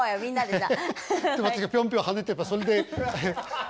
私がピョンピョン跳ねてそれで。